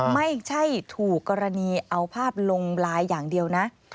ไม่ใช่ถูกกรณีเอาภาพลงไลน์อย่างเดียวนะ